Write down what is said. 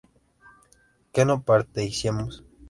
¿que no partiésemos?